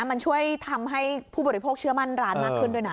มันช่วยทำให้ผู้บริโภคเชื่อมั่นร้านมากขึ้นด้วยนะ